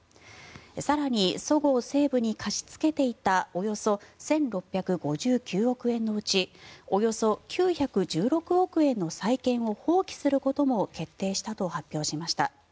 更に、そごう・西武に貸しつけていたおよそ１６５９億円のうちおよそ９１６億円の債権を放棄することも決定したと発表しました。